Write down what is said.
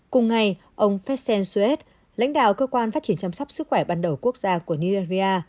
cùng ngày ông fessen souet lãnh đạo cơ quan phát triển chăm sóc sức khỏe ban đầu quốc gia của nigeria